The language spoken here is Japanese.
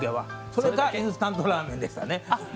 それかインスタントラーメンでしたね。